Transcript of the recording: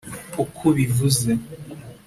uko ubivuze